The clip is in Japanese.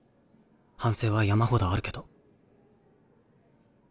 反省は山ほどあるけど。